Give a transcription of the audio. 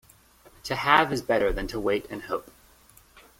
To have is better than to wait and hope.